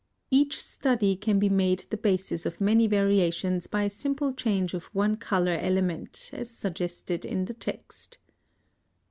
Each study can be made the basis of many variations by a simple change of one color element, as suggested in the text.